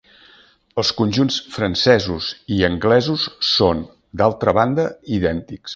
Els conjunts francesos i anglesos són d'altra banda idèntics.